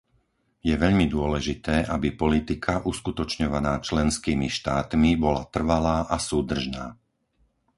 Je veľmi dôležité, aby politika uskutočňovaná členskými štátmi bola trvalá a súdržná.